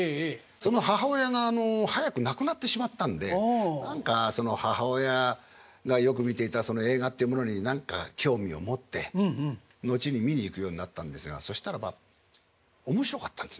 その母親が早く亡くなってしまったんで何かその母親がよく見ていたその映画っていうものに何か興味を持って後に見に行くようになったんですがそしたらば面白かったんですね